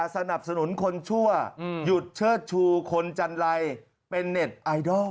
สนับสนุนคนชั่วหยุดเชิดชูคนจันไรเป็นเน็ตไอดอล